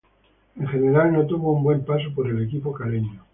En general, no tuvo un buen paso por el equipo caleño.